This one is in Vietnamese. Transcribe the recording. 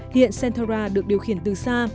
hiện centauro được điều khiển từ xa